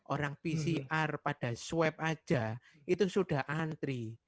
orang pcr pada swab aja itu sudah antri